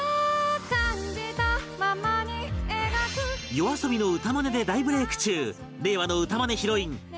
ＹＯＡＳＯＢＩ の歌まねで大ブレーク中令和の歌まねヒロインよよよ